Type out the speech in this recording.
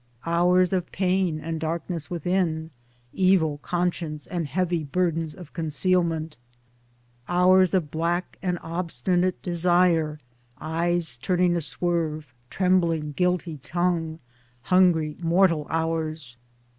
Hours of pain and darkness within, evil conscience and heavy burdens of concealment ! hours of black and obstinate desire, eyes turning aswerve, trembling guilty tongue — hungry mortal hours